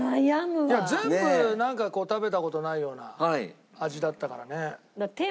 全部なんかこう食べた事ないような味だったからね。